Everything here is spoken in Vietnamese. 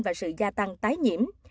và sự gia tăng tái nhiễm